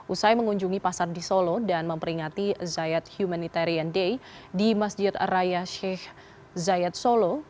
usai mengunjungi pasar di solo dan memperingati zayat humanitarian day di masjid raya sheikh zayat solo